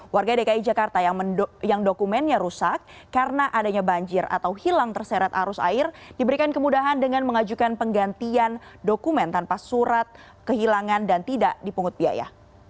warga dki jakarta yang dokumennya rusak karena adanya banjir atau hilang terseret arus air diberikan kemudahan dengan mengajukan penggantian dokumen tanpa surat kehilangan dan tidak dipungut biaya